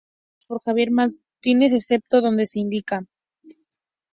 Todas compuestas por Javier Martínez, excepto donde se indica.